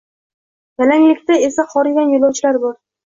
Yalanglikda esa horigan yo’lovchilar bor.